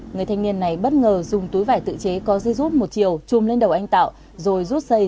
người thanh niên này bất ngờ dùng túi vải tự chế có dây rút một chiều chùm lên đầu anh tạo rồi rút xây